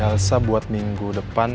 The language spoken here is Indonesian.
elsa buat minggu depan